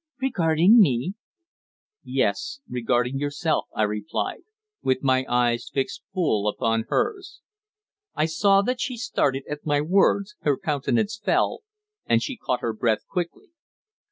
"Regarding me?" "Yes, regarding yourself," I replied, with my eyes fixed full upon hers. I saw that she started at my words, her countenance fell, and she caught her breath quickly.